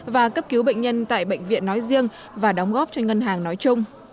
và cấp cứu bệnh nhân tại bệnh viện nói riêng và đóng góp cho ngân hàng nói chung